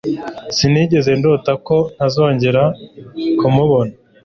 Sinigeze ndota ko ntazongera kumubona.